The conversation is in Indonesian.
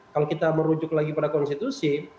kalau kita merujuk lagi pada konstitusi